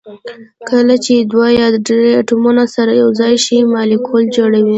کله چې دوه یا ډیر اتومونه سره یو ځای شي مالیکول جوړوي